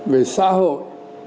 về xã hội